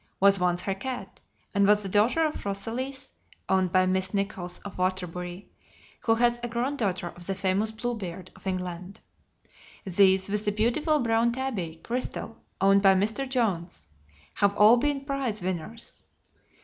was once her cat, and was the daughter of Rosalys (owned by Miss Nichols, of Waterbury, Ct), who was a granddaughter of the famous Bluebeard, of England. These, with the beautiful brown tabby, Crystal, owned by Mr. Jones, have all been prize winners.